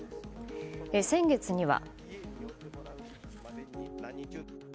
先月には。